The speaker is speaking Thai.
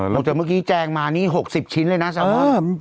จากเมื่อกี้แจงมานี่๖๐ชิ้นเลยนะซาวะ